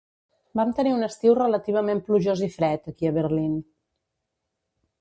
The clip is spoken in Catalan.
Vam tenir un estiu relativament plujós i fred aquí a Berlín.